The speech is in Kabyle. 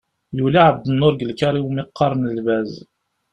Yuli Ԑebdennur deg lkaṛ iwmi qqaren “Lbaz”.